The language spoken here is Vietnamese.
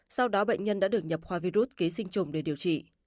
sau đó bệnh nhân đã được nhập khoa virus ký sinh trùng để điều trị